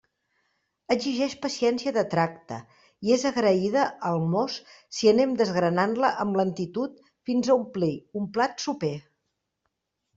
Exigeix paciència de tracte i és agraïda al mos si anem desengranant-la amb lentitud fins a omplir un plat soper.